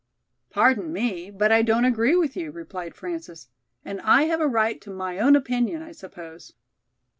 "Pardon me, but I don't agree with you," replied Frances, "and I have a right to my own opinion, I suppose."